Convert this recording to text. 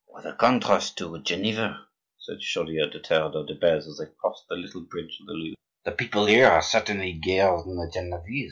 "What a contrast to Geneva!" said Chaudieu to Theodore de Beze, as they crossed the little bridge of the Louvre. "The people here are certainly gayer than the Genevese.